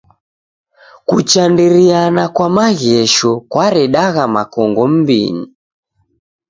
Kuchandiriana kwa maghesho kwaredagha makongo m'mbinyi.